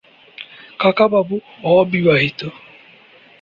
কাকাবাবু অবিবাহিত।